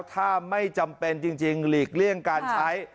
ถ้าไม่จำเป็นจริงหลีกเลี่ยงการใช้